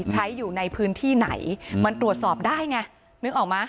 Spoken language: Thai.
ใช้อยู่ในพื้นที่ไหนมันตรวจสอบได้ไงนึกออกมั้